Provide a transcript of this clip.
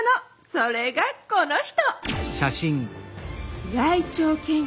それがこの人！